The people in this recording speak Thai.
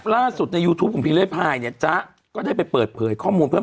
ล่าสุดในยูทูปของพิเลพายเนี่ยจ๊ะก็ได้ไปเปิดเผยข้อมูลเพิ่ม